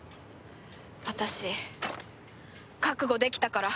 私覚悟できたから！